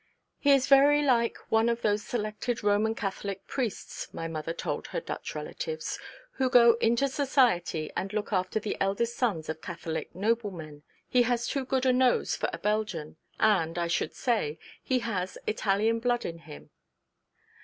'He is very like one of those selected Roman Catholic Priests,' my mother told her Dutch relatives, 'who go into society and look after the eldest sons of Catholic noblemen. He has too good a nose for a Belgian and, I should say, he has Italian blood in him.'